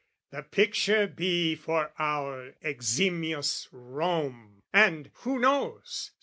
The picture be for our eximious Rome And who knows?